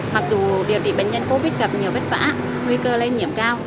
mặc dù điều trị bệnh nhân covid gặp nhiều vết vả nguy cơ lên nhiễm cao